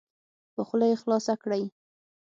په خوله یې خلاصه کړئ.